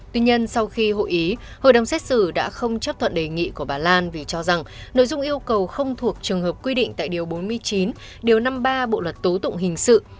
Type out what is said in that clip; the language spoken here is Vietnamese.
tuy nhiên sau khi hội ý hội đồng xét xử đã không chấp thuận đề nghị của bà lan vì cho rằng nội dung yêu cầu không thuộc trường hợp quy định tại điều bốn mươi chín điều năm mươi ba bộ luật tố tụng hình sự